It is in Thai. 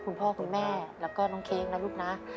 คุณพ่อคุณแม่แล้วก็น้องเค้กนะลูกนะ